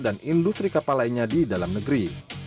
dan industri kapal lainnya di dalam negeri